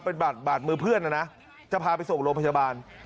เป็นบาดมือเพื่อนนะนะจะพาไปส่งโรงพยาบาล